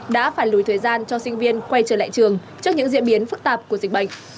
đã phải lùi thời gian cho sinh viên quay trở lại trường trước những diễn biến phức tạp của dịch bệnh